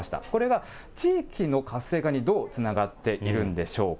これが地域の活性化にどうつながっているんでしょうか。